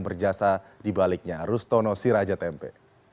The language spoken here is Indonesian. berjasa di baliknya rustono siraja tempe